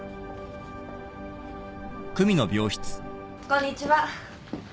こんにちは。